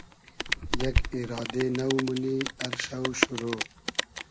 یئگ ایرادې نۆ مونی ار شۆ شورۉ